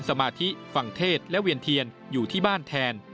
สมาธิฝั่งเทศและเวียนเทียนอยู่ที่บ้านแทน